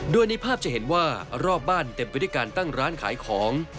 โดยในภาพจะเห็นว่ารอบบ้านเต็มไปด้วยการตั้งร้านขายของ